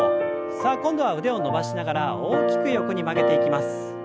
さあ今度は腕を伸ばしながら大きく横に曲げていきます。